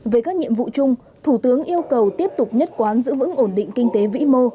về các nhiệm vụ chung thủ tướng yêu cầu tiếp tục nhất quán giữ vững ổn định kinh tế vĩ mô